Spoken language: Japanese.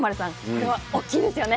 これは大きいですよね。